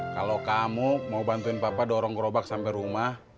kalau kamu mau bantuin papa dorong kerobak sampe rumah